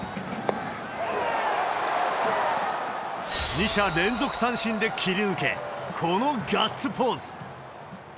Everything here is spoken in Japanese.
２者連続三振で切り抜け、このガッツポーズ。